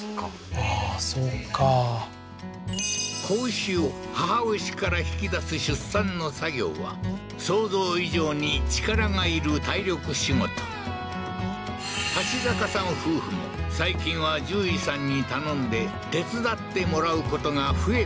ああーそっか子牛を母牛から引き出す出産の作業は想像以上に力がいる体力仕事端坂さん夫婦も最近は獣医さんに頼んで手伝ってもらうことが増えたそうだ